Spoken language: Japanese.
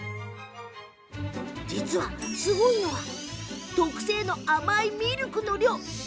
実は、すごいのが特製の甘いミルクの量。